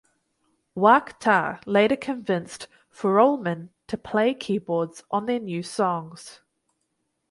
Waaktaar later convinced Furuholmen to play keyboards on their new songs.